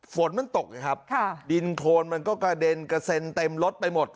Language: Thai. ฝนมันตกนะครับดินโทนมันก็กระเด็นเต็มรถไปหมด